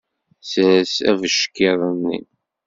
Sers abeckiḍ-nni.